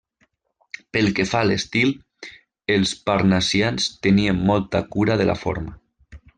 Pel que fa a l'estil, els parnassians tenien molta cura de la forma.